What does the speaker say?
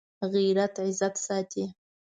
غیرت عزت ساتي